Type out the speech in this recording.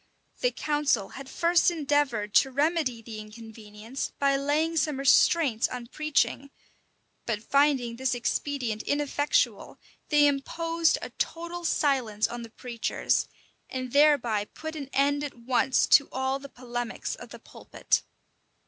The council had first endeavored to remedy the inconvenience by laying some restraints on preaching; but finding this expedient ineffectual, they imposed a total silence on the preachers, and thereby put an end at once to all the polemics of the pulpit.